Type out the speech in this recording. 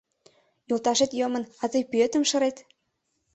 Йолташет йомын, а тый пӱетым шырет...